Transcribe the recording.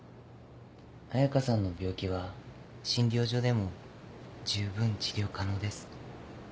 彩佳さんの病気は診療所でも十分治療可能です。